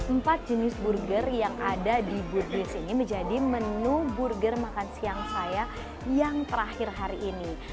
empat jenis burger yang ada di burge ini menjadi menu burger makan siang saya yang terakhir hari ini